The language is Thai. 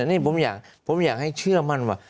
นี่ผมอยากให้เชื่อมั่นว่า